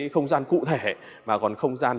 không gian cụ thể mà còn không gian